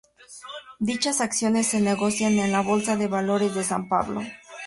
Dichas acciones se negocian en la Bolsa de Valores de San Pablo.